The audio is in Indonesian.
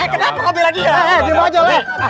kenapa kau berpihak sama dia